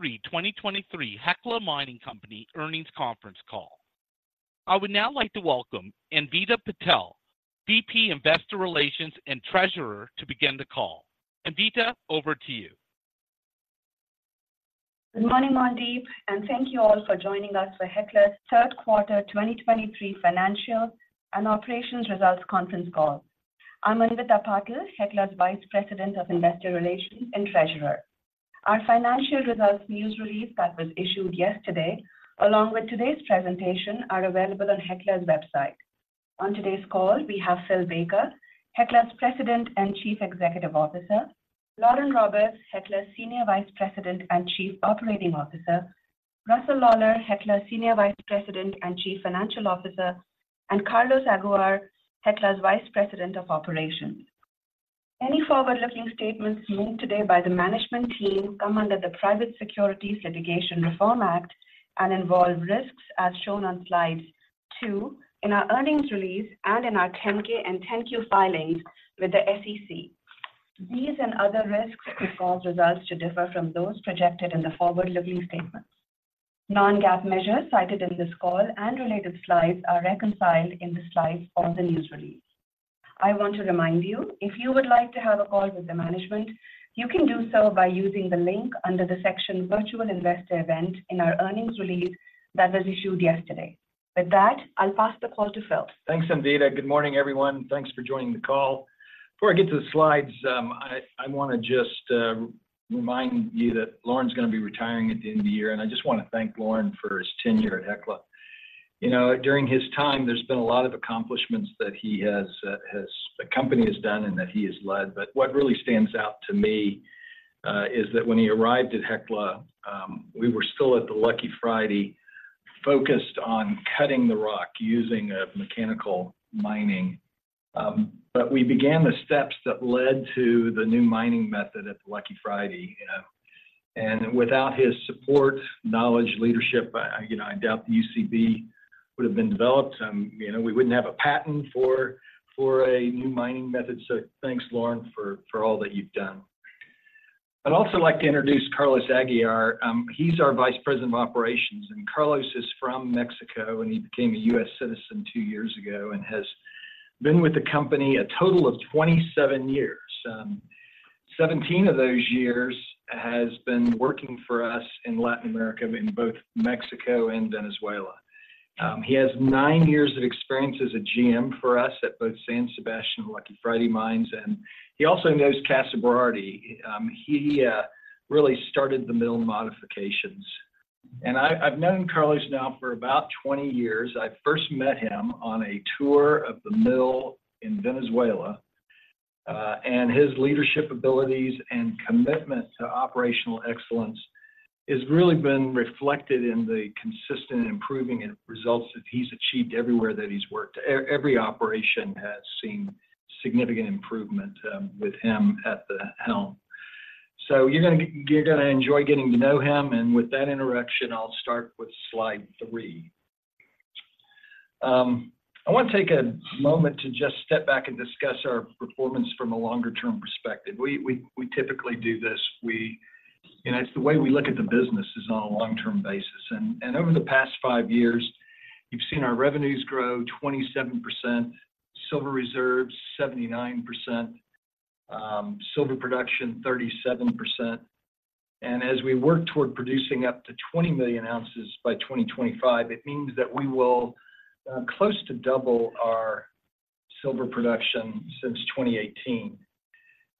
Welcome to the Q3 2023 Hecla Mining Company Earnings Conference Call. I would now like to welcome Anvita Patil, VP, Investor Relations and Treasurer, to begin the call. Anvita, over to you. Good morning, Mandeep, and thank you all for joining us for Hecla's Q3 2023 financial and operations results conference call. I'm Anvita Patil, Hecla's Vice President of Investor Relations and Treasurer. Our financial results news release that was issued yesterday, along with today's presentation, are available on Hecla's website. On today's call, we have Phil Baker, Hecla's President and Chief Executive Officer, Lauren Roberts, Hecla's Senior Vice President and Chief Operating Officer, Russell Lawlar, Hecla's Senior Vice President and Chief Financial Officer, and Carlos Aguiar, Hecla's Vice President of Operations. Any forward-looking statements made today by the management team come under the Private Securities Litigation Reform Act and involve risks as shown on slide two in our earnings release and in our 10-K and 10-Q filings with the SEC. These and other risks could cause results to differ from those projected in the forward-looking statements. Non-GAAP measures cited in this call and related slides are reconciled in the slides or the news release. I want to remind you, if you would like to have a call with the management, you can do so by using the link under the section Virtual Investor Event in our earnings release that was issued yesterday. With that, I'll pass the call to Phil. Thanks, Anvita. Good morning, everyone. Thanks for joining the call. Before I get to the slides, I want to just remind you that Lauren's going to be retiring at the end of the year, and I just want to thank Lauren for his tenure at Hecla. You know, during his time, there's been a lot of accomplishments that the company has done and that he has led. But what really stands out to me is that when he arrived at Hecla, we were still at the Lucky Friday, focused on cutting the rock using mechanical mining. And without his support, knowledge, leadership, you know, I doubt the UCB would have been developed. You know, we wouldn't have a patent for, for a new mining method. So thanks, Lauren, for, for all that you've done. I'd also like to introduce Carlos Aguiar. He's our Vice President of Operations, and Carlos is from Mexico, and he became a U.S. citizen two years ago and has been with the company a total of 27 years. So 17 of those years has been working for us in Latin America, in both Mexico and Venezuela. He has nine years of experience as a GM for us at both San Sebastian and Lucky Friday mines, and he also knows Casa Berardi. He really started the mill modifications. And I, I've known Carlos now for about 20 years. I first met him on a tour of the mill in Venezuela, and his leadership abilities and commitment to operational excellence has really been reflected in the consistent and improving end results that he's achieved everywhere that he's worked. Every operation has seen significant improvement with him at the helm. So you're gonna enjoy getting to know him, and with that introduction, I'll start with slide three. I want to take a moment to just step back and discuss our performance from a longer-term perspective. We typically do this. You know, it's the way we look at the business on a long-term basis. And over the past five years, you've seen our revenues grow 27%, silver reserves 79%, silver production 37%. As we work toward producing up to 20 million ounces by 2025, it means that we will close to double our silver production since 2018.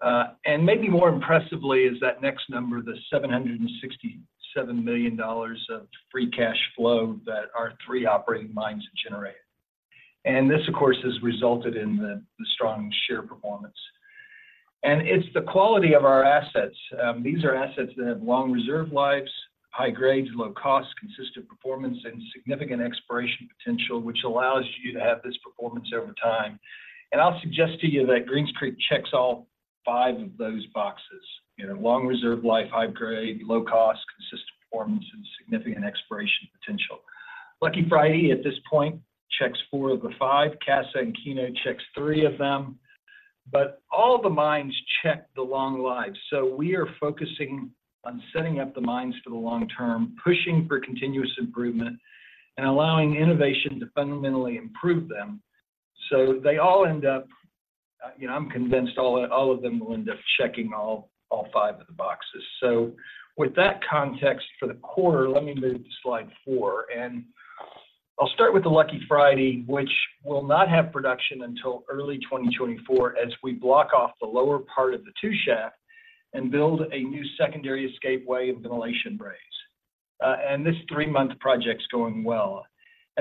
And maybe more impressively is that next number, the $767 million of free cash flow that our three operating mines have generated. And this, of course, has resulted in the strong share performance. And it's the quality of our assets. These are assets that have long reserve lives, high grades, low costs, consistent performance, and significant exploration potential, which allows you to have this performance over time. And I'll suggest to you that Greens Creek checks all five of those boxes. You know, long reserve life, high grade, low cost, consistent performance, and significant exploration potential. Lucky Friday, at this point, checks four of the five. Casa and Keno checks three of them, but all the mines check the long lives. So we are focusing on setting up the mines for the long term, pushing for continuous improvement, and allowing innovation to fundamentally improve them. So they all end up, you know, I'm convinced all, all of them will end up checking all, all five of the boxes. So with that context for the quarter, let me move to slide four, and I'll start with the Lucky Friday, which will not have production until early 2024, as we block off the lower part of the two shaft and build a new secondary escapeway and vent raise. And this three-month project is going well.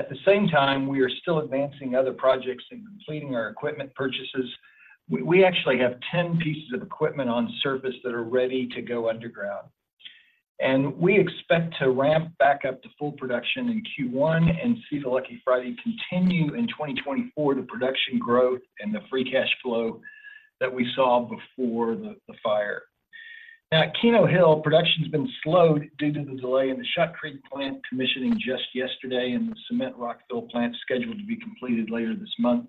At the same time, we are still advancing other projects and completing our equipment purchases. We actually have 10 pieces of equipment on surface that are ready to go underground. We expect to ramp back up to full production in Q1 and see the Lucky Friday continue in 2024, the production growth and the free cash flow that we saw before the fire. Now, Keno Hill production has been slowed due to the delay in the Shotcrete plant commissioning just yesterday, and the cement rock fill plant is scheduled to be completed later this month.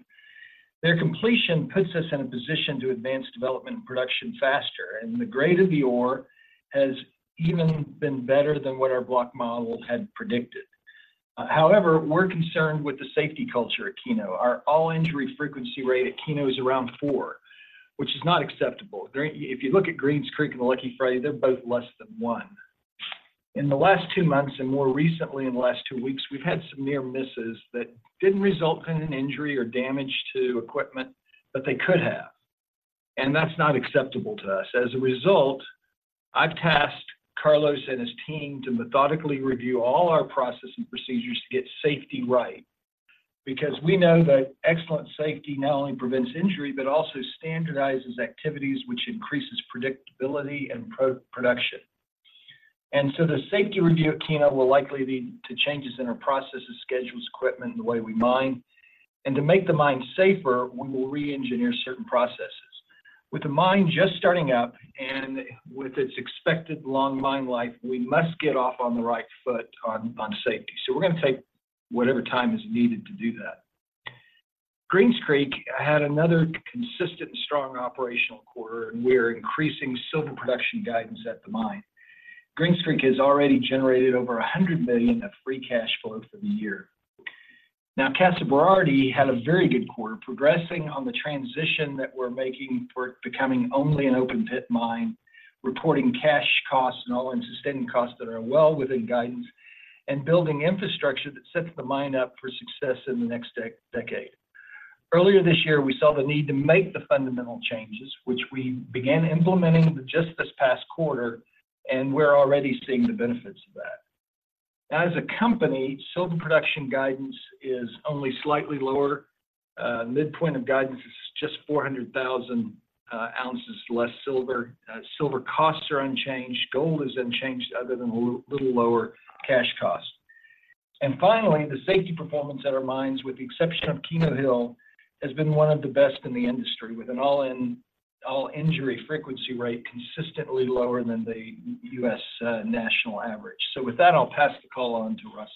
Their completion puts us in a position to advance development and production faster, and the grade of the ore has even been better than what our block model had predicted. However, we're concerned with the safety culture at Keno. Our all-injury frequency rate at Keno is around four, which is not acceptable. There, if you look at Greens Creek and the Lucky Friday, they're both less than one. In the last two months, and more recently in the last two weeks, we've had some near misses that didn't result in an injury or damage to equipment, but they could have, and that's not acceptable to us. As a result, I've tasked Carlos and his team to methodically review all our processes and procedures to get safety right, because we know that excellent safety not only prevents injury, but also standardizes activities, which increases predictability and productivity. And so the safety review at Keno will likely lead to changes in our processes, schedules, equipment, and the way we mine. And to make the mine safer, we will re-engineer certain processes. With the mine just starting out and with its expected long mine life, we must get off on the right foot on safety. So we're going to take whatever time is needed to do that. Greens Creek had another consistent, strong operational quarter, and we are increasing silver production guidance at the mine. Greens Creek has already generated over $100 million of free cash flow for the year. Now, Casa Berardi had a very good quarter, progressing on the transition that we're making toward becoming only an open-pit mine, reporting cash costs and all-in sustaining costs that are well within guidance, and building infrastructure that sets the mine up for success in the next decade. Earlier this year, we saw the need to make the fundamental changes, which we began implementing just this past quarter, and we're already seeing the benefits of that. As a company, silver production guidance is only slightly lower. Midpoint of guidance is just 400,000 ounces less silver. Silver costs are unchanged. Gold is unchanged other than a little, little lower cash cost. And finally, the safety performance at our mines, with the exception of Keno Hill, has been one of the best in the industry, with an all-injury frequency rate consistently lower than the U.S. national average. So with that, I'll pass the call on to Russ.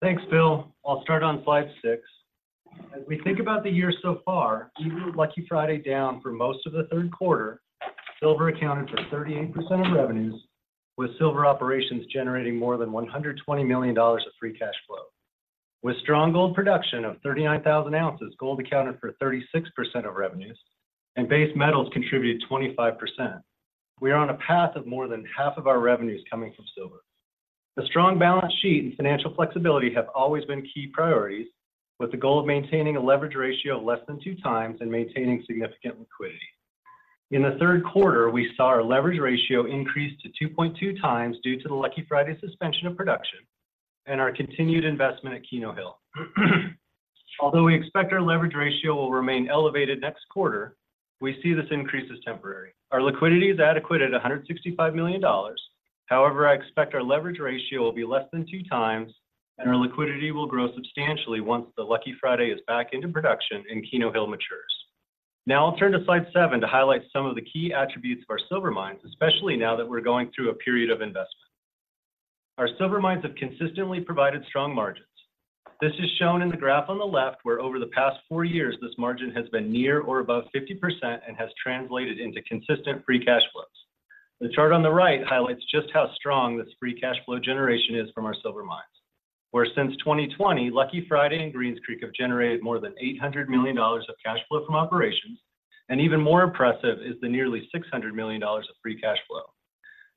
Thanks, Bill. I'll start on slide six. As we think about the year so far, even with Lucky Friday down for most of the Q3, silver accounted for 38% of revenues, with silver operations generating more than $120 million of free cash flow. With strong gold production of 39,000 ounces, gold accounted for 36% of revenues, and base metals contributed 25%. We are on a path of more than half of our revenues coming from silver. A strong balance sheet and financial flexibility have always been key priorities, with the goal of maintaining a leverage ratio of less than 2x and maintaining significant liquidity. In the Q3, we saw our leverage ratio increase to 2.2x due to the Lucky Friday suspension of production and our continued investment at Keno Hill. Although we expect our leverage ratio will remain elevated next quarter, we see this increase as temporary. Our liquidity is adequate at $165 million. However, I expect our leverage ratio will be less than 2 times, and our liquidity will grow substantially once the Lucky Friday is back into production and Keno Hill matures. Now, I'll turn to slide seven to highlight some of the key attributes of our silver mines, especially now that we're going through a period of investment. Our silver mines have consistently provided strong margins. This is shown in the graph on the left, where over the past four years, this margin has been near or above 50% and has translated into consistent free cash flows. The chart on the right highlights just how strong this free cash flow generation is from our silver mines, where since 2020, Lucky Friday and Greens Creek have generated more than $800 million of cash flow from operations, and even more impressive is the nearly $600 million of free cash flow.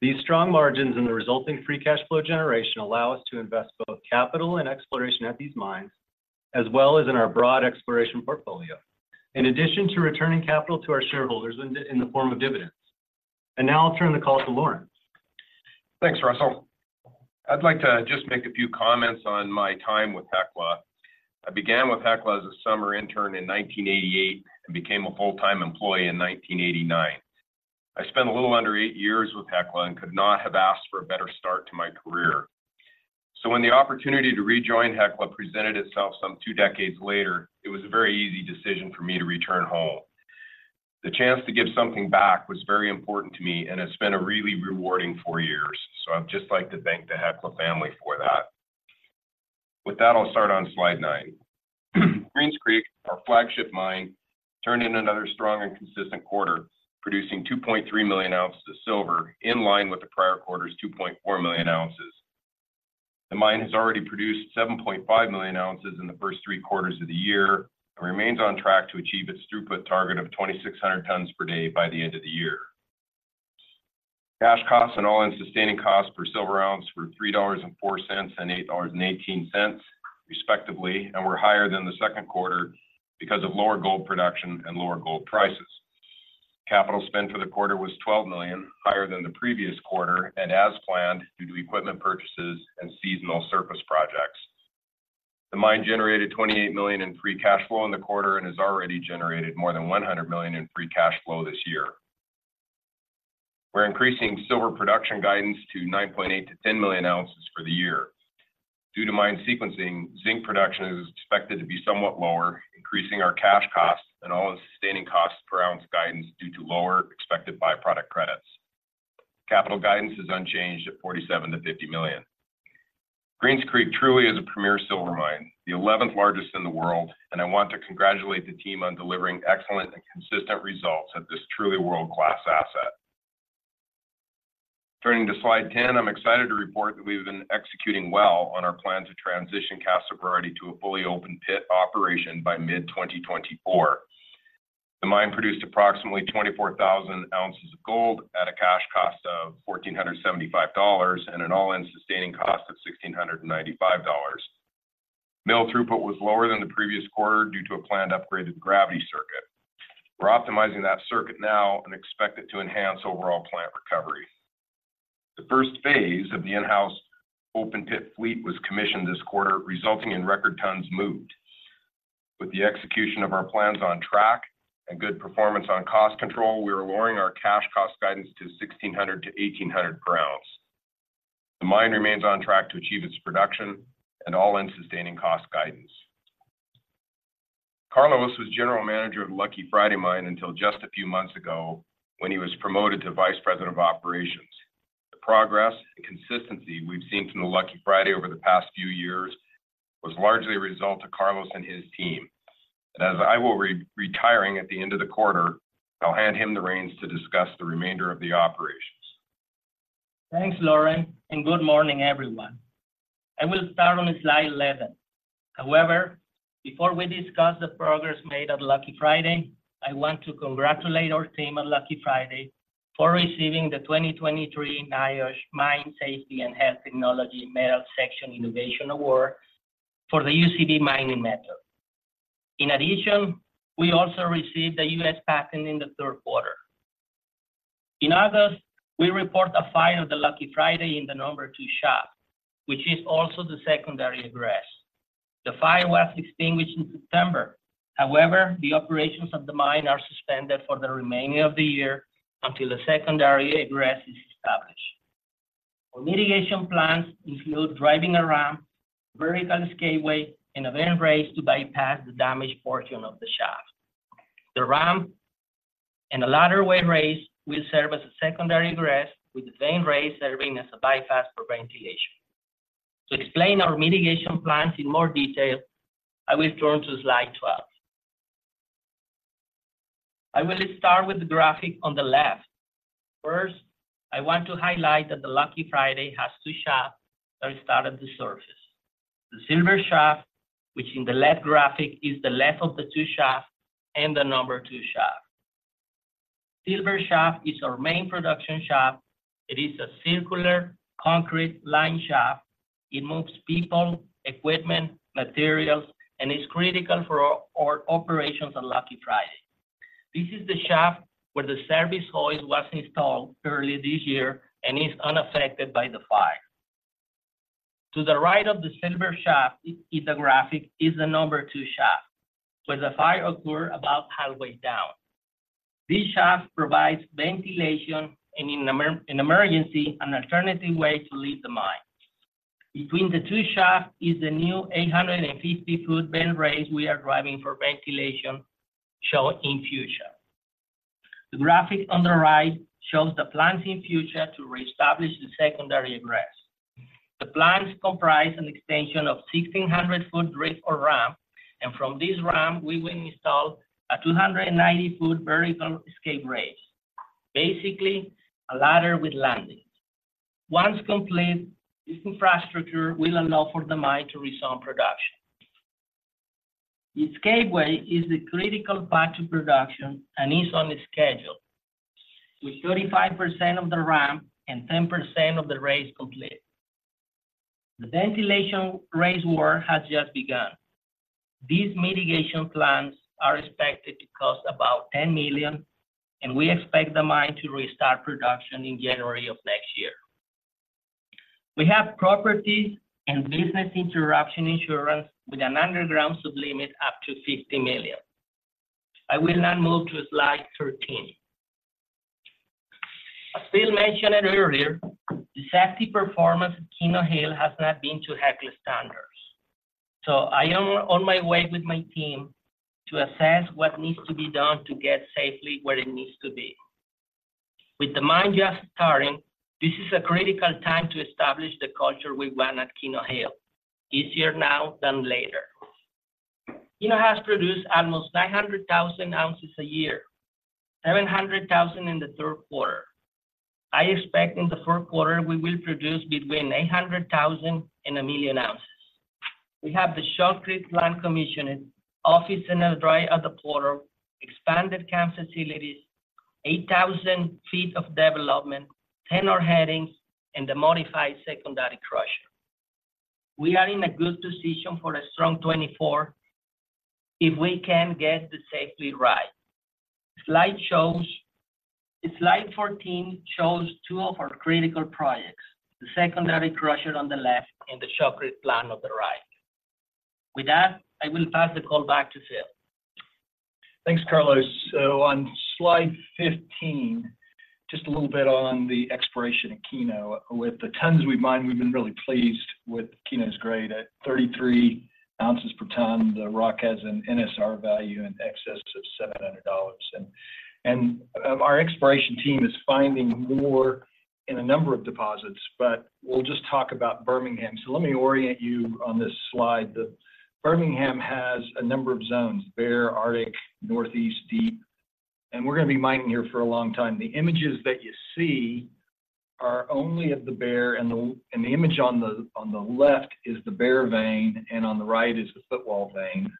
These strong margins and the resulting free cash flow generation allow us to invest both capital and exploration at these mines, as well as in our broad exploration portfolio, in addition to returning capital to our shareholders in the, in the form of dividends. Now I'll turn the call to Lauren Thanks, Russell. I'd like to just make a few comments on my time with Hecla. I began with Hecla as a summer intern in 1988 and became a full-time employee in 1989. I spent a little under eight years with Hecla and could not have asked for a better start to my career. So when the opportunity to rejoin Hecla presented itself some two decades later, it was a very easy decision for me to return home. The chance to give something back was very important to me and has been a really rewarding four years. So I'd just like to thank the Hecla family for that. With that, I'll start on slide nine. Greens Creek, our flagship mine, turned in another strong and consistent quarter, producing 2.3 million ounces of silver, in line with the prior quarter's 2.4 million ounces. The mine has already produced 7.5 million ounces in the first three quarters of the year and remains on track to achieve its throughput target of 2,600 tons per day by the end of the year. Cash costs and all-in sustaining costs per silver ounce were $3.04 and $8.18 respectively, and were higher than the Q2 because of lower gold production and lower gold prices. Capital spend for the quarter was $12 million, higher than the previous quarter and as planned due to equipment purchases and seasonal surface projects. The mine generated $28 million in free cash flow in the quarter and has already generated more than $100 million in free cash flow this year. We're increasing silver production guidance to 9.8-10 million ounces for the year. Due to mine sequencing, zinc production is expected to be somewhat lower, increasing our cash costs and all-in sustaining costs per ounce guidance due to lower expected byproduct credits. Capital guidance is unchanged at $47milliom -$50 million. Greens Creek truly is a premier silver mine, the 11th largest in the world, and I want to congratulate the team on delivering excellent and consistent results at this truly world-class asset. Turning to slide 10, I'm excited to report that we've been executing well on our plan to transition Casa Berardi to a fully open pit operation by mid-2024. The mine produced approximately 24,000 ounces of gold at a cash cost of $1,475, and an all-in sustaining cost of $1,695. Mill throughput was lower than the previous quarter due to a planned upgraded gravity circuit. We're optimizing that circuit now and expect it to enhance overall plant recovery. The first phase of the in-house open pit fleet was commissioned this quarter, resulting in record tons moved. With the execution of our plans on track and good performance on cost control, we are lowering our cash cost guidance to $1,600-$1,800. The mine remains on track to achieve its production and all-in sustaining cost guidance. Carlos was General Manager of Lucky Friday mine until just a few months ago, when he was promoted to Vice President of Operations. The progress and consistency we've seen from the Lucky Friday over the past few years was largely a result of Carlos and his team. And as I will be retiring at the end of the quarter, I'll hand him the reins to discuss the remainder of the operations. Thanks, Lauren, and good morning, everyone. I will start on slide 11. However, before we discuss the progress made at Lucky Friday, I want to congratulate our team at Lucky Friday for receiving the 2023 NIOSH Mine Safety and Health Technology Metal Section Innovation Award for the UCB mining method. In addition, we also received a U.S. patent in the Q3. In August, we report a fire at the Lucky Friday in the number two shaft, which is also the secondary egress. The fire was extinguished in September, however, the operations of the mine are suspended for the remaining of the year until the secondary egress is established. Our mitigation plans include driving a ramp, vertical escape way, and a vent raise to bypass the damaged portion of the shaft. The ramp and the ladder way raise will serve as a secondary egress, with the vent raise serving as a bypass for ventilation. To explain our mitigation plans in more detail, I will turn to slide 12. I will start with the graphic on the left. First, I want to highlight that the Lucky Friday has two shafts that start at the surface. The Silver shaft, which in the left graphic is the left of the two shafts, and the number two shaft. Silver shaft is our main production shaft. It is a circular, concrete-lined shaft. It moves people, equipment, materials, and is critical for our, our operations on Lucky Friday. This is the shaft where the service hoist was installed early this year and is unaffected by the fire. To the right of the Silver shaft in the graphic, is the number two shaft, where the fire occurred about halfway down. This shaft provides ventilation, and in emergency, an alternative way to leave the mine. Between the two shafts is the new 850-foot vent raise we are driving for ventilation, shown in fuchsia. The graphic on the right shows the plans in fuchsia to reestablish the secondary egress. The plans comprise an extension of 1,600-foot drift or ramp, and from this ramp, we will install a 290-foot vertical escape raise, basically a ladder with landings. Once complete, this infrastructure will allow for the mine to resume production. The escape way is the critical path to production and is on schedule, with 35% of the ramp and 10% of the raise complete. The ventilation raise work has just begun. These mitigation plans are expected to cost about $10 million, and we expect the mine to restart production in January of next year. We have property and business interruption insurance with an underground sublimit up to $50 million. I will now move to slide 13. As Phil mentioned it earlier, the safety performance of Keno Hill has not been to Hecla standards, so I am on my way with my team to assess what needs to be done to get safely where it needs to be. With the mine just starting, this is a critical time to establish the culture we want at Keno Hill. Easier now than later. Keno has produced almost 900,000 ounces a year, 700,000 in the Q3. I expect in the fourth quarter, we will produce between 800,000 and 1 million ounces. We have the shortcrete plant commissioning, office and a dry at the portal, expanded camp facilities, 8,000 feet of development, 10 ore headings, and the modified secondary crusher. We are in a good position for a strong 2024 if we can get the safety right. Slide 14 shows two of our critical projects: the secondary crusher on the left and the shtcrete plant on the right. With that, I will pass the call back to Phil. Thanks, Carlos. So on slide 15, just a little bit on the exploration of Keno. With the tons we've mined, we've been really pleased with Keno's grade. At 33 ounces per ton, the rock has an NSR value in excess of $700... And, our exploration team is finding more in a number of deposits, but we'll just talk about Birmingham. So let me orient you on this slide. The Birmingham has a number of zones, Bear, Arctic, Northeast, Deep, and we're going to be mining here for a long time. The images that you see are only of the Bear, and the image on the left is the Bear vein, and on the right is the Footwall vein.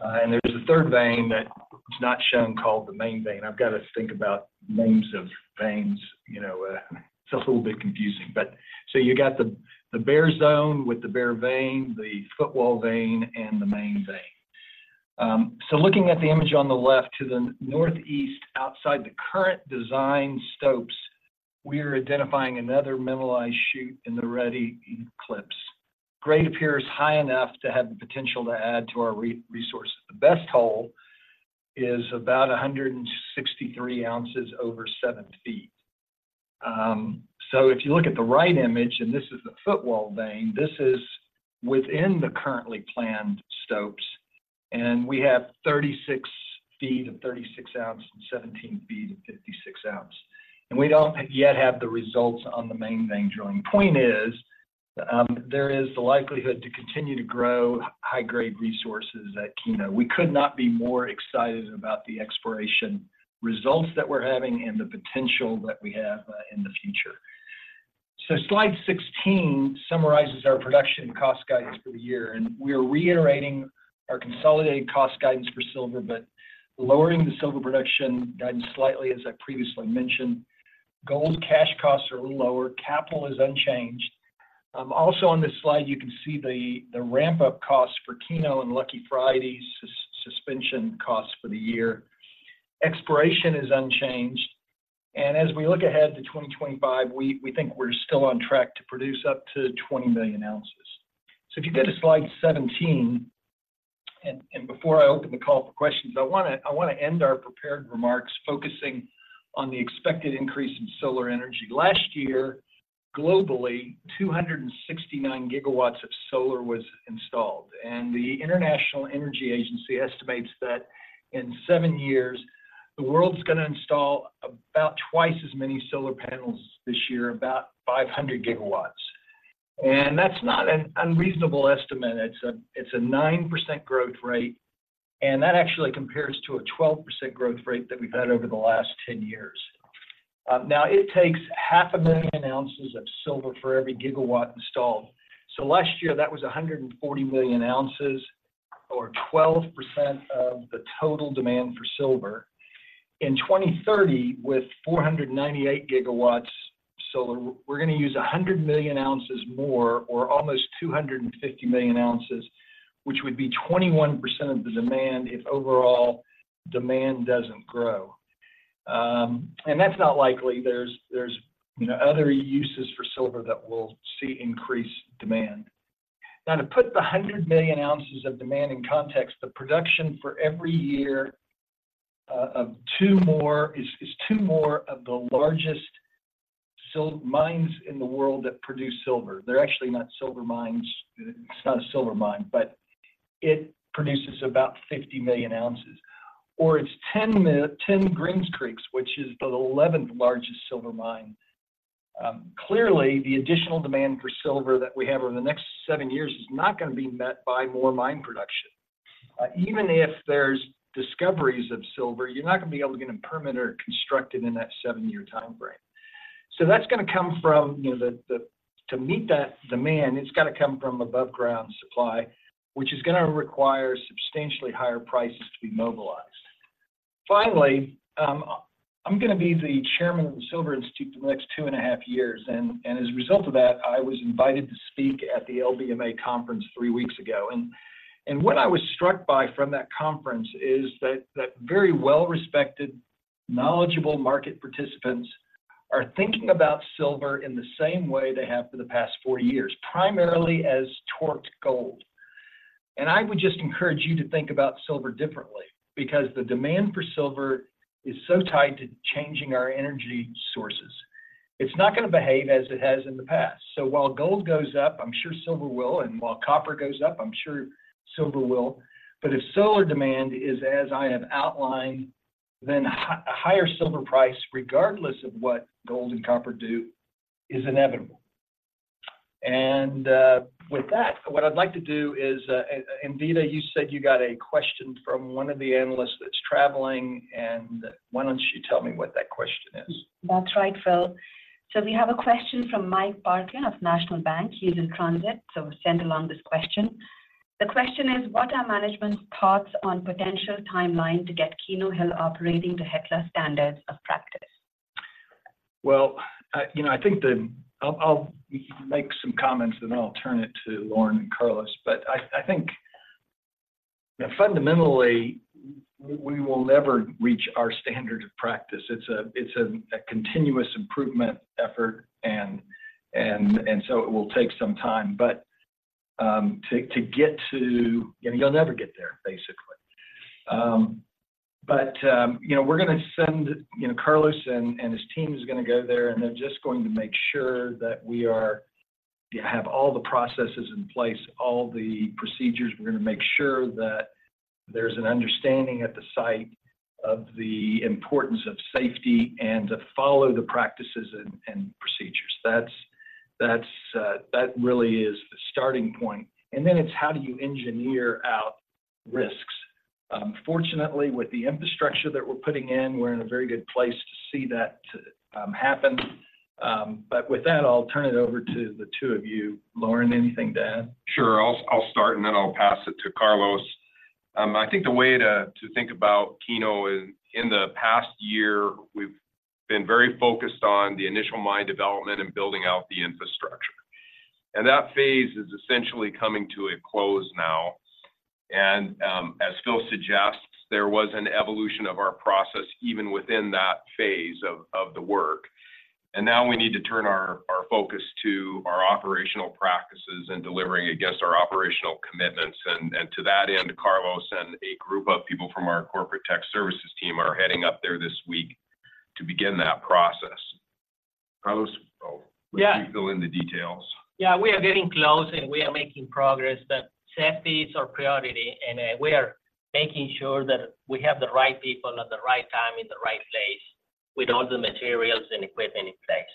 And there's a third vein that is not shown, called the Main vein. I've got to think about names of veins, you know, it's a little bit confusing. But so you got the Bear zone with the Bear vein, the Footwall vein, and the Main vein. So looking at the image on the left, to the Northeast, outside the current design stopes, we are identifying another mineralized shoot in the reddy eclipse. Grade appears high enough to have the potential to add to our resource. The best hole is about 163 ounces over seven feet. So if you look at the right image, and this is the Footwall vein, this is within the currently planned stopes, and we have 36 feet of 36 ounce and 17 feet of 56 ounce. And we don't yet have the results on the Main vein drilling. Point is, there is the likelihood to continue to grow high-grade resources at Keno. We could not be more excited about the exploration results that we're having and the potential that we have in the future. So slide 16 summarizes our production cost guidance for the year, and we are reiterating our consolidated cost guidance for silver, but lowering the silver production guidance slightly, as I previously mentioned. Gold cash costs are a little lower, capital is unchanged. Also on this slide, you can see the, the ramp-up costs for Keno and Lucky Friday's suspension costs for the year. Exploration is unchanged, and as we look ahead to 2025, we, we think we're still on track to produce up to 20 million ounces. So if you go to slide 17, and, and before I open the call for questions, I wanna, I wanna end our prepared remarks focusing on the expected increase in solar energy. Last year, globally, 269 gigawatts of solar was installed, and the International Energy Agency estimates that in seven years, the world's going to install about twice as many solar panels this year, about 500 gigawatts. That's not an unreasonable estimate. It's a 9% growth rate, and that actually compares to a 12% growth rate that we've had over the last 10 years. Now it takes 500,000 ounces of silver for every gigawatt installed. So last year, that was 140 million ounces, or 12% of the total demand for silver. In 2030, with 498 gigawatts solar, we're going to use 100 million ounces more, or almost 250 million ounces, which would be 21% of the demand if overall demand doesn't grow. That's not likely. There's you know, other uses for silver that will see increased demand. Now, to put the 100 million ounces of demand in context, the production for every year of two more is two more of the largest silver mines in the world that produce silver. They're actually not silver mines. It's not a silver mine, but it produces about 50 million ounces. Or it's ten Greens Creeks, which is the 11th largest silver mine. Clearly, the additional demand for silver that we have over the next seven years is not going to be met by more mine production. Even if there's discoveries of silver, you're not going to be able to get them permitted or constructed in that seven year time frame. So that's going to come from, you know, the to meet that demand, it's got to come from above-ground supply, which is going to require substantially higher prices to be mobilized. Finally, I'm going to be the chairman of the Silver Institute for the next two and a half years, and as a result of that, I was invited to speak at the LBMA conference three weeks ago. And what I was struck by from that conference is that very well-respected, knowledgeable market participants are thinking about silver in the same way they have for the past four years, primarily as torqued gold. And I would just encourage you to think about silver differently, because the demand for silver is so tied to changing our energy sources. It's not going to behave as it has in the past. So while gold goes up, I'm sure silver will, and while copper goes up, I'm sure silver will. But if solar demand is as I have outlined, then a higher silver price, regardless of what gold and copper do, is inevitable. And with that, what I'd like to do is, and Anvita, you said you got a question from one of the analysts that's traveling, and why don't you tell me what that question is? That's right, Phil. So we have a question from Mike Parkin of National Bank. He is in transit, so sent along this question. The question is: What are management's thoughts on potential timeline to get Keno Hill operating to Hecla's standards of practice? Well, you know, I think I'll make some comments, and then I'll turn it to Lauren and Carlos. But I think, fundamentally, we will never reach our standard of practice. It's a continuous improvement effort, and so it will take some time, but to get to you know, you'll never get there, basically. But you know, we're going to send you know, Carlos and his team is going to go there, and they're just going to make sure that we have all the processes in place, all the procedures. We're going to make sure that there's an understanding at the site of the importance of safety and to follow the practices and procedures. That's that really is the starting point, and then it's how do you engineer out risks? Fortunately, with the infrastructure that we're putting in, we're in a very good place to see that happen. But with that, I'll turn it over to the two of you. Lauren, anything to add? Sure. I'll start, and then I'll pass it to Carlos. I think the way to think about Keno is, in the past year, we've been very focused on the initial mine development and building out the infrastructure, and that phase is essentially coming to a close now. And as Phil suggests, there was an evolution of our process, even within that phase of the work. And now we need to turn our focus to our operational practices and delivering against our operational commitments. And to that end, Carlos and a group of people from our corporate tech services team are heading up there this week to begin that process. Carlos- Yeah. Would you go into details? Yeah, we are getting close, and we are making progress, but safety is our priority, and we are making sure that we have the right people at the right time, in the right place, with all the materials and equipment in place.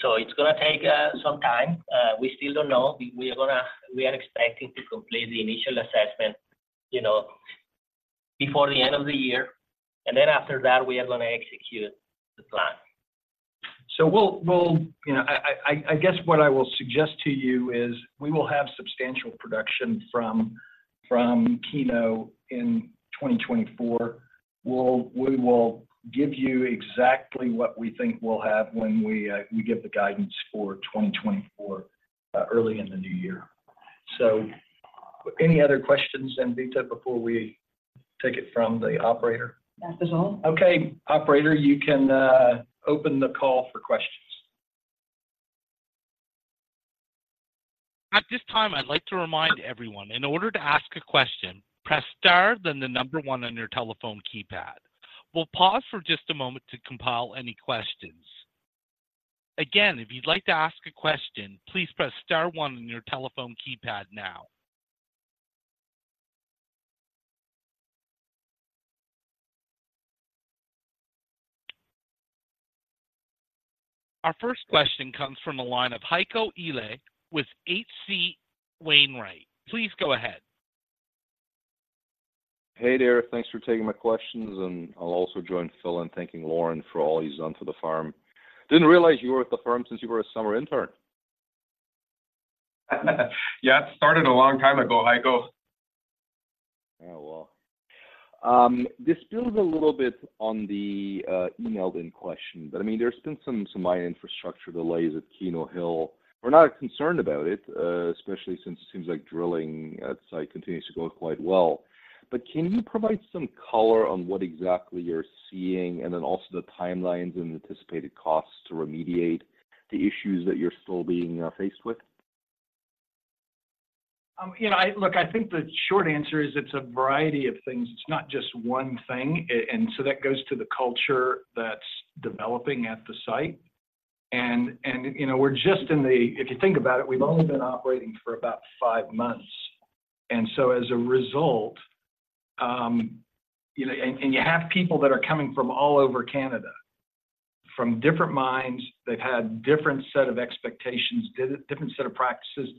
So it's gonna take some time. We still don't know. We are expecting to complete the initial assessment, you know, before the end of the year, and then after that, we are gonna execute the plan. So we'll... You know, I guess what I will suggest to you is, we will have substantial production from Keno in 2024. We will give you exactly what we think we'll have when we give the guidance for 2024, early in the new year. So any other questions, Anvita, before we take it from the operator? That is all. Okay, operator, you can open the call for questions. At this time, I'd like to remind everyone, in order to ask a question, press star, then the number one on your telephone keypad. We'll pause for just a moment to compile any questions. Again, if you'd like to ask a question, please press star one on your telephone keypad now. Our first question comes from the line of Heiko Ihle with H.C. Wainwright. Please go ahead. Hey there. Thanks for taking my questions, and I'll also join Phil in thanking Lauren for all he's done for the firm. Didn't realize you were with the firm since you were a summer intern. Yeah, it started a long time ago, Heiko. Oh, well. This builds a little bit on the emailed-in question, but, I mean, there's been some minor infrastructure delays at Keno Hill. We're not concerned about it, especially since it seems like drilling at site continues to go quite well. But can you provide some color on what exactly you're seeing, and then also the timelines and anticipated costs to remediate the issues that you're still being faced with? You know, look, I think the short answer is, it's a variety of things. It's not just one thing. And so that goes to the culture that's developing at the site. And you know, if you think about it, we've only been operating for about five months, and so as a result, you know. And you have people that are coming from all over Canada, from different mines. They've had different set of expectations, different set of practices.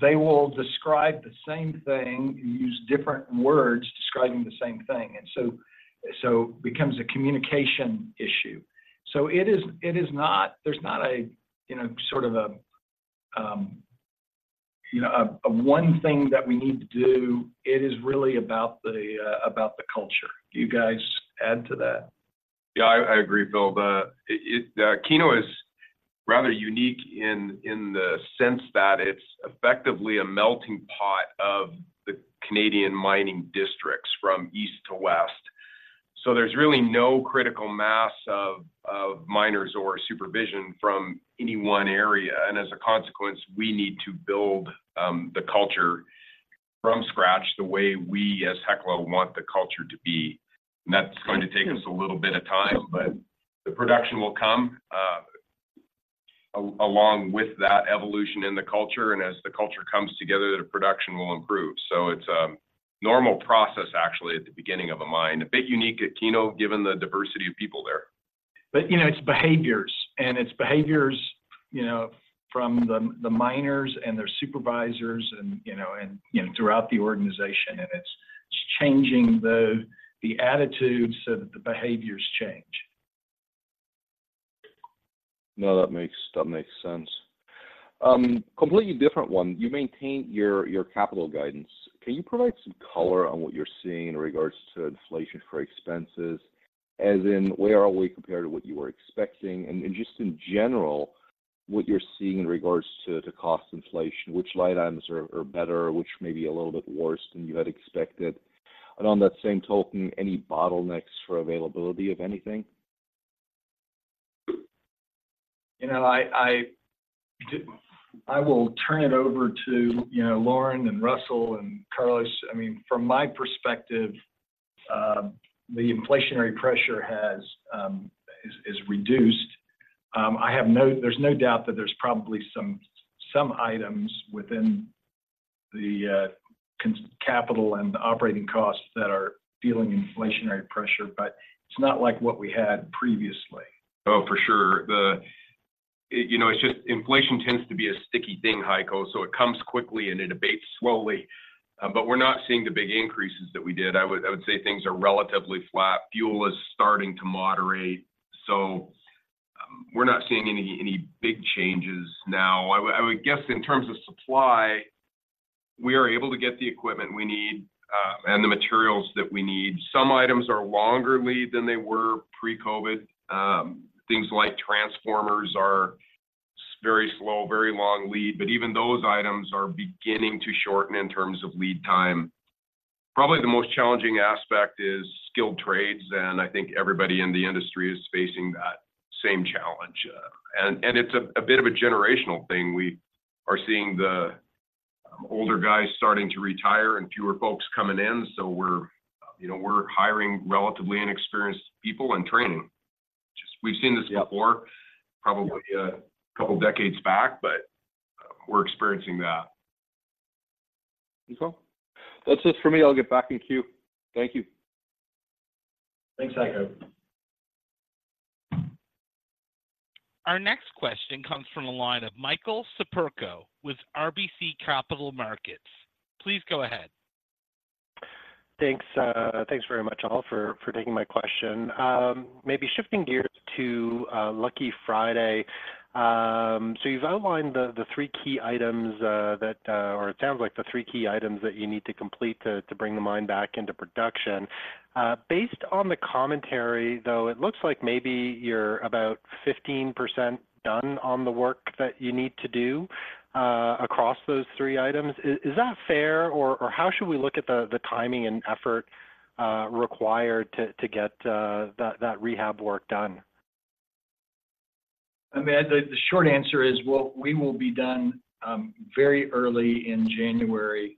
They will describe the same thing and use different words describing the same thing, and so becomes a communication issue. So it is not. There's not a, you know, sort of a one thing that we need to do. It is really about the culture. Do you guys add to that? Yeah, I agree, Phil. Keno is rather unique in the sense that it's effectively a melting pot of the Canadian mining districts from east to west. So there's really no critical mass of miners or supervision from any one area, and as a consequence, we need to build the culture from scratch, the way we, as Hecla, want the culture to be. And that's going to take us a little bit of time, but the production will come along with that evolution in the culture, and as the culture comes together, the production will improve. So it's a normal process, actually, at the beginning of a mine. A bit unique at Keno, given the diversity of people there. You know, it's behaviors, and it's behaviors, you know, from the miners and their supervisors and, you know, and you know, throughout the organization, and it's changing the attitudes so that the behaviors change. No, that makes sense. Completely different one. You maintained your capital guidance. Can you provide some color on what you're seeing in regards to inflation for expenses? As in, where are we compared to what you were expecting, and just in general, what you're seeing in regards to cost inflation, which line items are better or which may be a little bit worse than you had expected? And on that same token, any bottlenecks for availability of anything? You know, I will turn it over to, you know, Lauren and Russell and Carlos. I mean, from my perspective, the inflationary pressure is reduced. There's no doubt that there's probably some items within the capital and operating costs that are feeling inflationary pressure, but it's not like what we had previously. Oh, for sure. The, it, you know, it's just inflation tends to be a sticky thing, Heiko, so it comes quickly, and it abates slowly. But we're not seeing the big increases that we did. I would say things are relatively flat. Fuel is starting to moderate, so we're not seeing any big changes now. I would guess in terms of supply, we are able to get the equipment we need and the materials that we need. Some items are longer lead than they were pre-COVID. Things like transformers are very slow, very long lead, but even those items are beginning to shorten in terms of lead time. Probably the most challenging aspect is skilled trades, and I think everybody in the industry is facing that same challenge. And it's a bit of a generational thing. We are seeing the older guys starting to retire and fewer folks coming in, so we're, you know, we're hiring relatively inexperienced people and training. Just we've seen this before- Yeah... probably, a couple decades back, but we're experiencing that. Okay. That's it for me. I'll get back in queue. Thank you. Thanks, Heiko. Our next question comes from the line of Michael Siperco with RBC Capital Markets. Please go ahead. Thanks, thanks very much, all, for, for taking my question. Maybe shifting gears to Lucky Friday. So you've outlined the, the three key items, that, or it sounds like the three key items that you need to complete to, to bring the mine back into production. Based on the commentary, though, it looks like maybe you're about 15% done on the work that you need to do, across those three items. Is, is that fair, or, or how should we look at the, the timing and effort, required to, to get, that, that rehab work done? I mean, the short answer is, well, we will be done very early in January,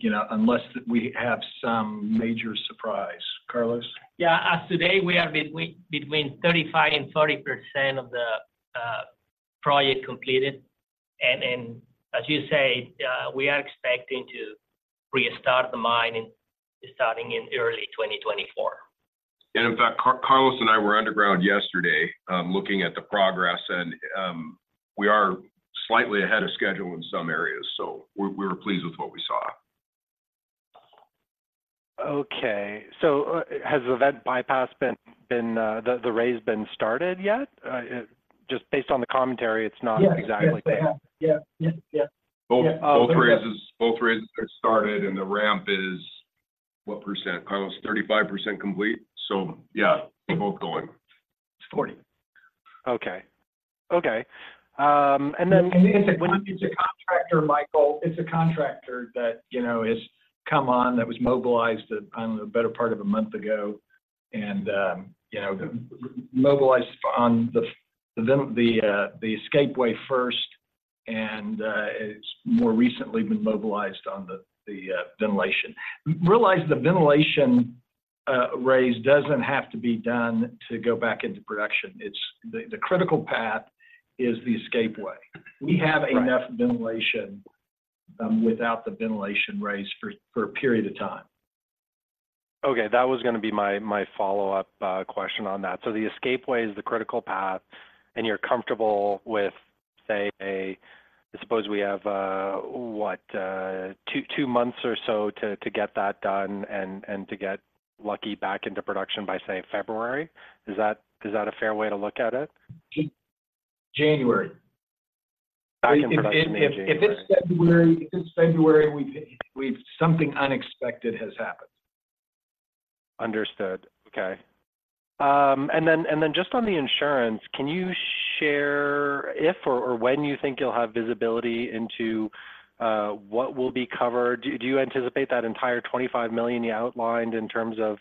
you know, unless we have some major surprise. Carlos? Yeah, as of today, we are between 35% and 40% of the project completed, and as you say, we are expecting to restart the mine starting in early 2024. In fact, Carlos and I were underground yesterday, looking at the progress, and we are slightly ahead of schedule in some areas, so we were pleased with what we saw. Okay. So, has the vent bypass, the raise, been started yet? Just based on the commentary, it's not exactly clear. Yes. Yes, they have. Yeah. Yes. Yeah. Both raises got started, and the ramp is what percent, Carlos? 35% complete. So yeah, they're both going. It's forty. Okay. Okay, and then- It's a contractor, Michael. It's a contractor that, you know, has come on, that was mobilized, I don't know, a better part of a month ago. You know, mobilized on the escape way first, and it's more recently been mobilized on the ventilation. Realize the ventilation raise doesn't have to be done to go back into production. It's... The critical path is the escape way. Right. We have enough ventilation without the ventilation raise for a period of time. Okay, that was gonna be my follow-up question on that. So the escape way is the critical path, and you're comfortable with, say, suppose we have two months or so to get that done and to get Lucky back into production by, say, February? Is that a fair way to look at it? January. Back in production in January. If it's February, we've—something unexpected has happened. Understood. Okay. And then just on the insurance, can you share if or when you think you'll have visibility into what will be covered? Do you anticipate that entire $25 million you outlined in terms of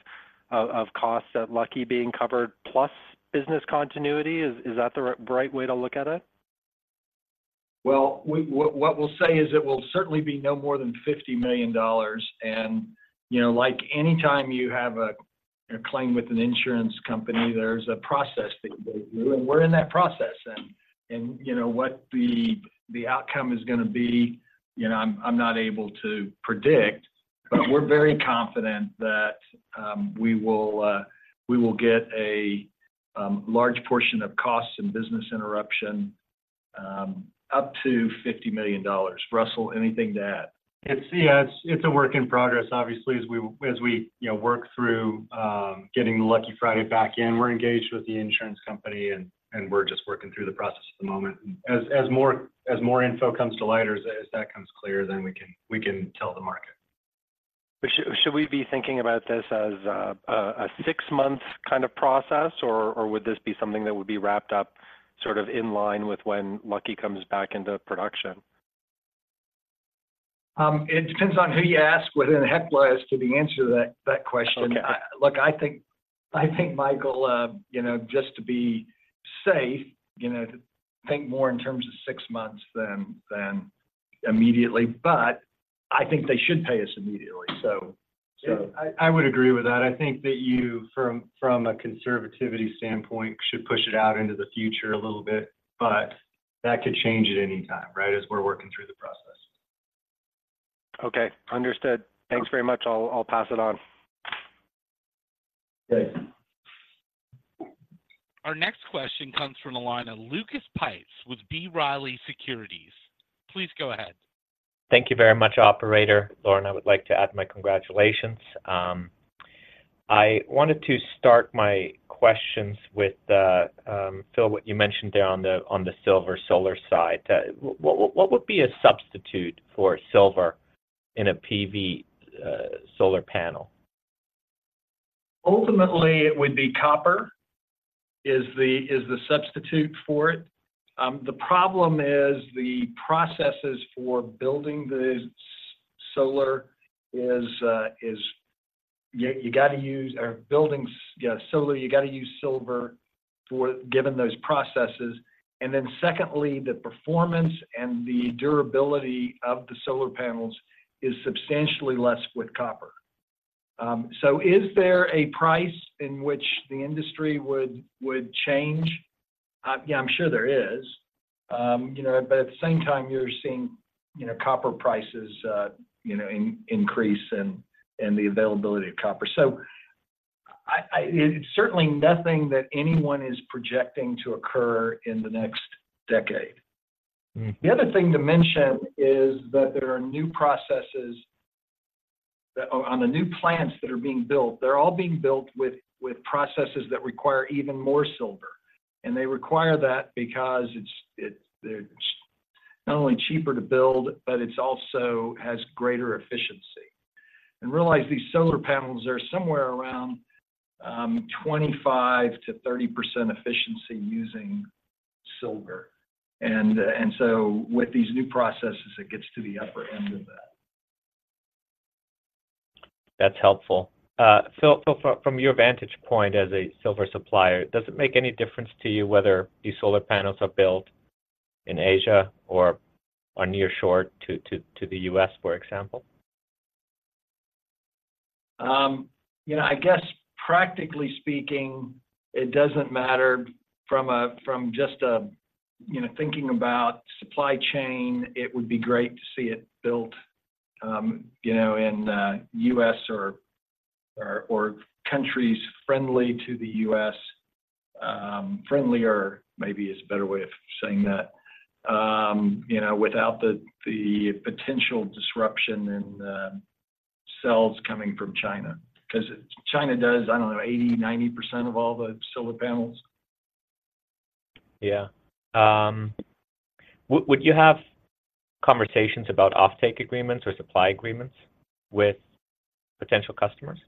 costs at Lucky being covered, plus business continuity, is that the right way to look at it? Well, what we'll say is it will certainly be no more than $50 million. And, you know, like anytime you have a claim with an insurance company, there's a process that you go through, and we're in that process. And, you know, what the outcome is gonna be, you know, I'm not able to predict. But we're very confident that we will get a large portion of costs and business interruption up to $50 million. Russell, anything to add? It's... Yes, it's a work in progress, obviously, as we, as we, you know, work through getting the Lucky Friday back in. We're engaged with the insurance company, and, and we're just working through the process at the moment. As, as more, as more info comes to light or as that becomes clear, then we can, we can tell the market. But should we be thinking about this as a six-month kind of process, or would this be something that would be wrapped up sort of in line with when Lucky comes back into production? It depends on who you ask within Hecla as to the answer to that question. Okay. Look, I think, I think, Michael, you know, just to be safe, you know, to think more in terms of six months than immediately, but I think they should pay us immediately. So, so- Yeah, I would agree with that. I think that you, from a conservatism standpoint, should push it out into the future a little bit, but that could change at any time, right? As we're working through the process. Okay, understood. Thanks very much. I'll pass it on. Thanks. Our next question comes from the line of Lucas Pipes with B. Riley Securities. Please go ahead. Thank you very much, operator. Lauren, I would like to add my congratulations. I wanted to start my questions with Phil, what you mentioned there on the silver solar side. What would be a substitute for silver in a PV solar panel? Ultimately, it would be copper, is the substitute for it. The problem is the processes for building the solar is, you got to use for building, yeah, solar, you got to use silver for, given those processes. And then secondly, the performance and the durability of the solar panels is substantially less with copper. So is there a price in which the industry would change? Yeah, I'm sure there is. You know, but at the same time, you're seeing, you know, copper prices, you know, increase and the availability of copper. So I... It's certainly nothing that anyone is projecting to occur in the next decade. Mm-hmm. The other thing to mention is that there are new processes that on the new plants that are being built, they're all being built with processes that require even more silver. And they require that because it's they're not only cheaper to build, but it's also has greater efficiency. And realize these solar panels are somewhere around 25%-30% efficiency using silver. And so with these new processes, it gets to the upper end of that. That's helpful. Phil, from your vantage point as a silver supplier, does it make any difference to you whether these solar panels are built in Asia or are near shore to the U.S., for example? You know, I guess practically speaking, it doesn't matter from a, from just a, you know, thinking about supply chain. It would be great to see it built, you know, in U.S. or, or, or countries friendly to the U.S. Friendlier maybe is a better way of saying that. You know, without the, the potential disruption in the cells coming from China, because China does, I don't know, 80%-90% of all the solar panels. Yeah. Would you have conversations about offtake agreements or supply agreements with potential customers?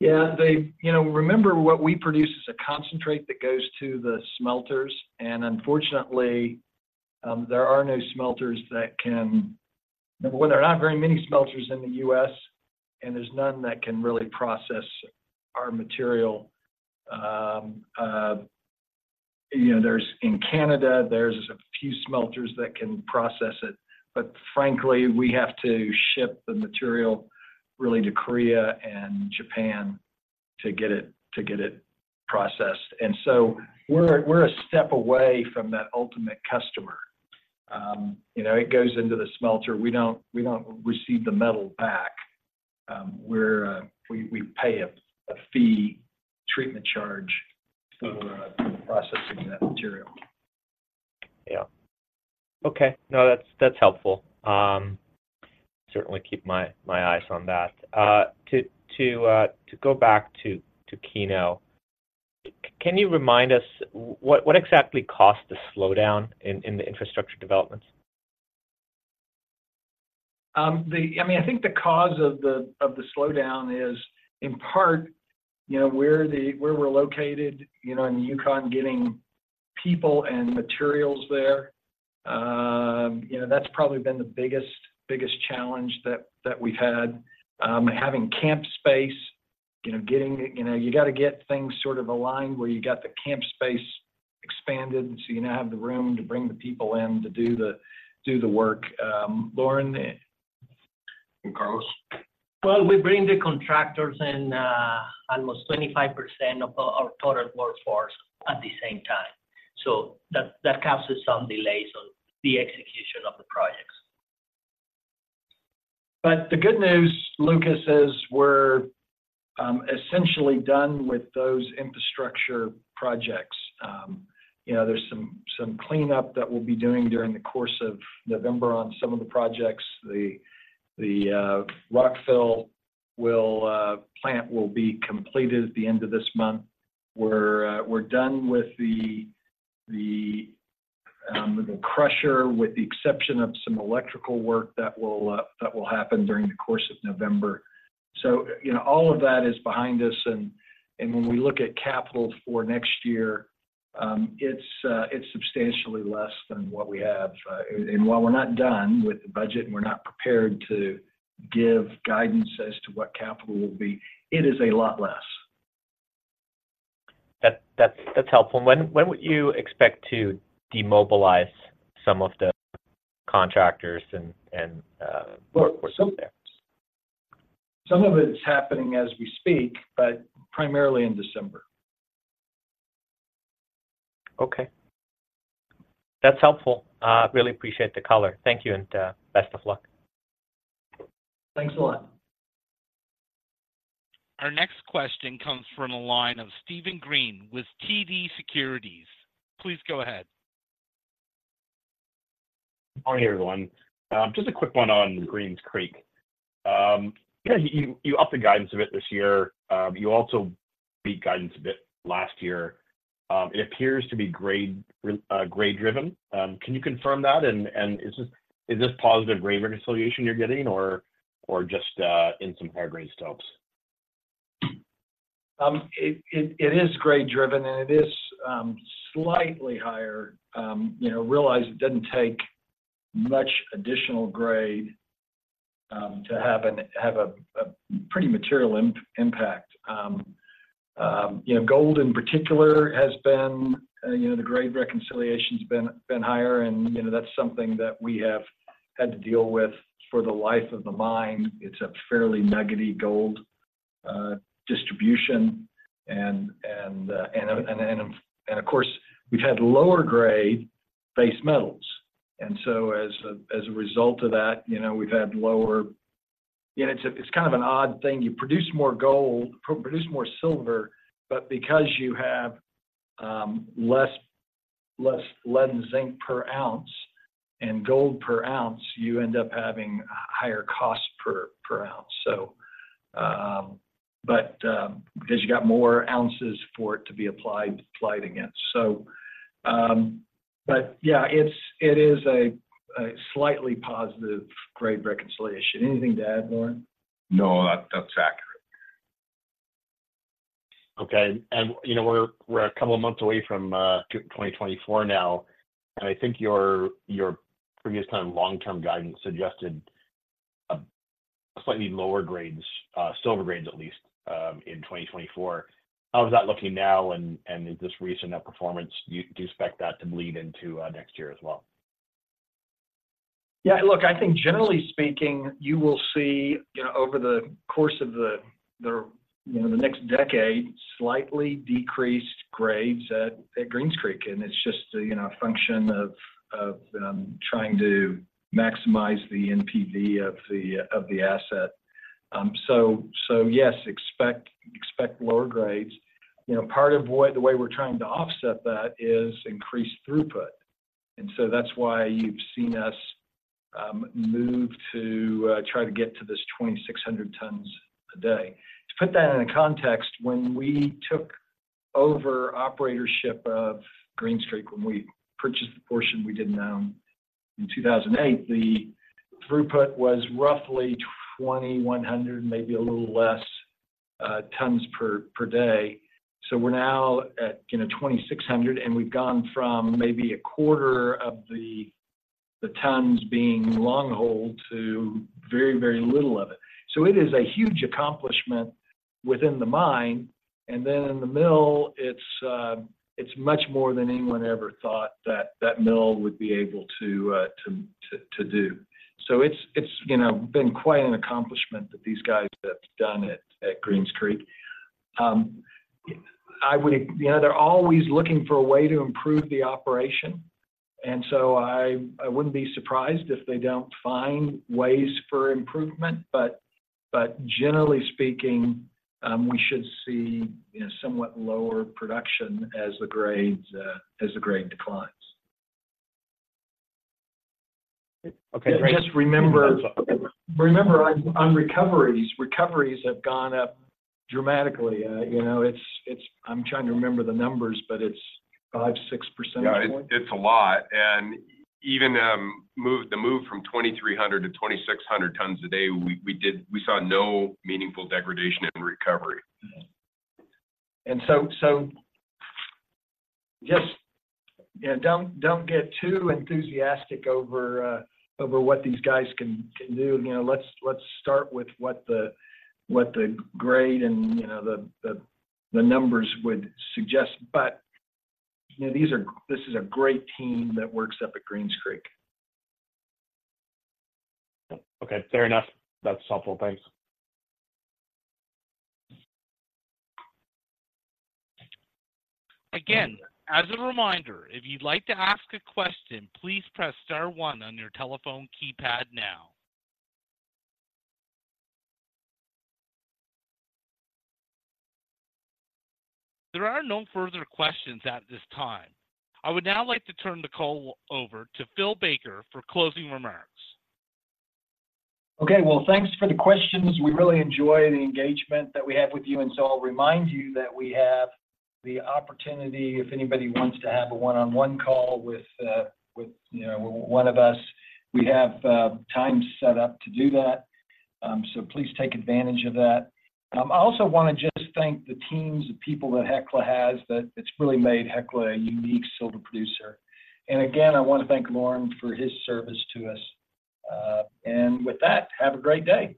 Yeah. You know, remember, what we produce is a concentrate that goes to the smelters, and unfortunately, there are no smelters that can—well, there are not very many smelters in the US, and there's none that can really process our material. You know, there's in Canada, there's a few smelters that can process it, but frankly, we have to ship the material really to Korea and Japan to get it, to get it processed. And so we're, we're a step away from that ultimate customer. You know, it goes into the smelter. We don't, we don't receive the metal back. We're, we, we pay a, a fee, treatment charge for, processing that material. Yeah. Okay. No, that's, that's helpful. Certainly keep my, my eyes on that. To go back to Keno, can you remind us what exactly caused the slowdown in the infrastructure developments? I mean, I think the cause of the slowdown is, in part, you know, where we're located, you know, in the Yukon, getting people and materials there. You know, that's probably been the biggest challenge that we've had. Having camp space, you know, getting, you know, you got to get things sort of aligned where you got the camp space expanded, so you now have the room to bring the people in to do the work. Lauren and Carlos? Well, we bring the contractors in, almost 25% of our total workforce at the same time, so that causes some delays on the execution of the projects. But the good news, Lucas, is we're essentially done with those infrastructure projects. You know, there's some cleanup that we'll be doing during the course of November on some of the projects. The rockfill plant will be completed at the end of this month. We're done with the crusher, with the exception of some electrical work that will happen during the course of November. So, you know, all of that is behind us, and when we look at capital for next year, it's substantially less than what we have. And while we're not done with the budget, and we're not prepared to give guidance as to what capital will be, it is a lot less. That's helpful. When would you expect to demobilize some of the contractors and workforce out there? Some of it is happening as we speak, but primarily in December. Okay. That's helpful. Really appreciate the color. Thank you, and best of luck. Thanks a lot. Our next question comes from the line of Steven Green with TD Securities. Please go ahead. Morning, everyone. Just a quick one on Greens Creek. You know, you, you upped the guidance a bit this year. You also beat guidance a bit last year. It appears to be grade, grade-driven. Can you confirm that? And, and is this, is this positive grade reconciliation you're getting, or, or just, in some higher grade stopes? It is grade driven, and it is slightly higher. You know, realize it doesn't take much additional grade to have a pretty material impact. You know, gold, in particular, has been you know, the grade reconciliation's been higher, and you know, that's something that we have had to deal with for the life of the mine. It's a fairly nuggety gold distribution. And of course, we've had lower grade base metals, and so as a result of that, you know, we've had lower... You know, it's kind of an odd thing. You produce more gold, produce more silver, but because you have less lead and zinc per ounce and gold per ounce, you end up having higher cost per ounce. Because you got more ounces for it to be applied against. Yeah, it is a slightly positive grade reconciliation. Anything to add, Warren? No, that, that's accurate. Okay. And, you know, we're a couple of months away from 2024 now, and I think your previous kind of long-term guidance suggested slightly lower grades, silver grades at least, in 2024. How is that looking now, and is this recent outperformance, do you expect that to bleed into next year as well? Yeah, look, I think generally speaking, you will see, you know, over the course of the, the, you know, the next decade, slightly decreased grades at Greens Creek, and it's just a, you know, function of trying to maximize the NPV of the asset. So yes, expect lower grades. You know, part of why the way we're trying to offset that is increased throughput, and so that's why you've seen us move to try to get to this 2,600 tons a day. To put that in context, when we took over operatorship of Greens Creek, when we purchased the portion we didn't own in 2008, the throughput was roughly 2,100, maybe a little less, tons per day. So we're now at, you know, 2,600, and we've gone from maybe a quarter of the tons being long haul to very, very little of it. So it is a huge accomplishment within the mine, and then in the mill, it's much more than anyone ever thought that that mill would be able to to do. So it's, you know, been quite an accomplishment that these guys have done at Greens Creek. I would, you know, they're always looking for a way to improve the operation, and so I wouldn't be surprised if they don't find ways for improvement. But generally speaking, we should see a somewhat lower production as the grades, as the grade declines. Okay, great. Just remember- Okay. Remember, on recoveries, recoveries have gone up dramatically. You know, it's. I'm trying to remember the numbers, but it's 5%-6%. Yeah, it's a lot. And even the move from 2,300 to 2,600 tons a day, we did—we saw no meaningful degradation in recovery. So just, you know, don't get too enthusiastic over what these guys can do. You know, let's start with what the grade and, you know, the numbers would suggest. But, you know, these are, this is a great team that works up at Greens Creek. Okay, fair enough. That's helpful. Thanks. Again, as a reminder, if you'd like to ask a question, please press star one on your telephone keypad now. There are no further questions at this time. I would now like to turn the call over to Phil Baker for closing remarks. Okay, well, thanks for the questions. We really enjoy the engagement that we have with you, and so I'll remind you that we have the opportunity if anybody wants to have a one-on-one call with, you know, one of us. We have time set up to do that, so please take advantage of that. I also want to just thank the teams of people that Hecla has, that it's really made Hecla a unique silver producer. And again, I want to thank Warren for his service to us. And with that, have a great day.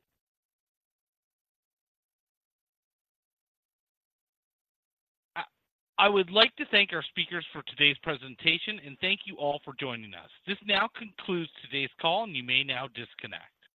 I would like to thank our speakers for today's presentation, and thank you all for joining us. This now concludes today's call, and you may now disconnect.